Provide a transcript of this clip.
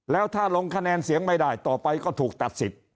แล้วถ้าลงคะแนนเสียงไม่ได้ต่อไปก็ถูกตัดสิทธิ์